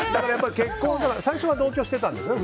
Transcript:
最初は同居してたんですよね。